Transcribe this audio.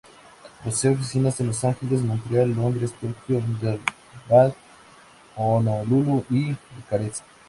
Posee oficinas en Los Ángeles, Montreal, Londres, Tokio, Hyderabad, Honolulu y Bucarest.